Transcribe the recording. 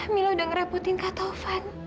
mila udah ngerebutin kak taufan